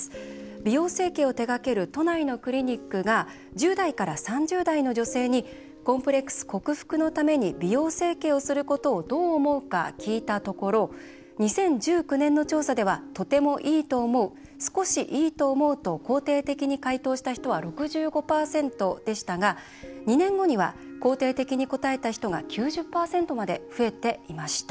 美容整形を手がける都内のクリニックが１０代から３０代の女性にコンプレックス克服のために美容整形をすることをどう思うか聞いたところ２０１９年の調査では「とてもいいと思う」「少しいいと思う」と肯定的に回答した人が６５％でしたが、２年後には肯定的に答えた人が９０％まで増えていました。